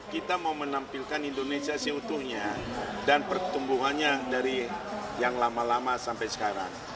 kita mau menampilkan indonesia seutuhnya dan pertumbuhannya dari yang lama lama sampai sekarang